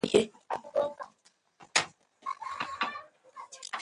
هلک په ډېرې چټکتیا سره منډې وهلې.